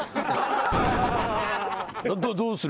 どうする？